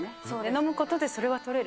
飲むことで、それは取れる。